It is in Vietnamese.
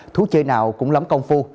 thú chơi nào cũng lắm công phu